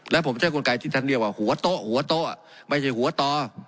และผมใช้กลไกที่ทันเดียวว่าหัวโตหัวโตไม่ใช่หัวตอ